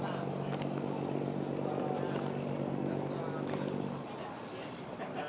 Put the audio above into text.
สวัสดีครับ